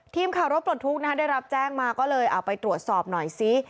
ทีมข่าวรถปลดทุกข์ได้รับแจ้งมาก็เลยเอาไปตรวจสอบหน่อยซิ